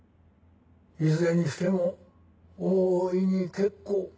いずれにしても大いに結構。